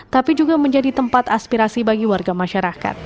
tapi juga menjadi tempat aspirasi bagi warga masyarakat